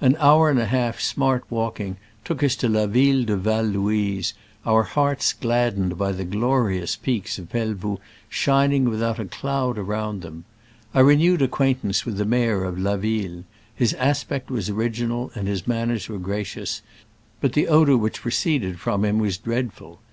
An hour and a half's smart walking took us to La Ville de Val Louise, our hearts gladdened by the glorious peaks of Pel voux shining out without a cloud around them. I renewed acquaintance with the mayor of La Ville. His aspect was original and his manners were gracious, but the odor which proceeded from him was dreadful.